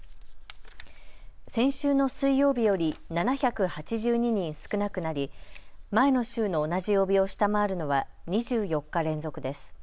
先週の水曜日より７８２人少なくなり前の週の同じ曜日を下回るのは２４日連続です。